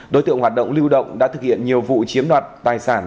đối tượng hoạt động lưu động đã thực hiện nhiều vụ chiếm đoạt tài sản